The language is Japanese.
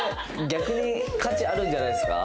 逆に価値あるんじゃないっすか？